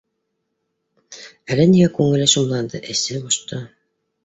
Әллә ниңә күңеле шомланды, эсе бошто